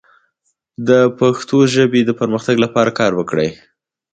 د پښتو ژبې د پرمختګ لپاره کار وکړئ.